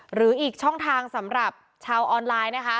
หรืออีกช่องทางสำหรับชาวออนไลน์นะคะ